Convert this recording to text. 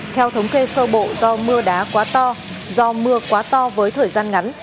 theo thống kê sơ bộ do mưa đá quá to do mưa quá to với thời gian ngắn